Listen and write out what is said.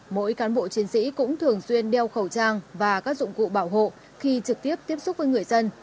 mỗi cán bộ chiến sĩ cũng thường xuyên đeo khẩu trang và các dụng cụ bảo hộ khi trực tiếp tiếp xúc với người dân